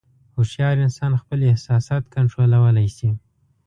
هوښیار انسان خپل احساسات کنټرولولی شي.